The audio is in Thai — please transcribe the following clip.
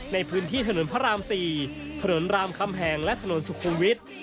ในพื้นที่ถนนพระราม๔ถนนรามคำแหงและถนนสุขุมวิทย์